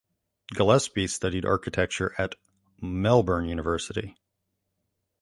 Gillespie studied architecture at Melbourne University.